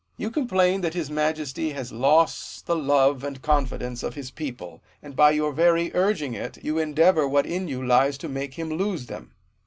You complain that his majesty has lost the love and confidence of his people ; and by your very urging it, you endeavour what in you lies to make him lose them.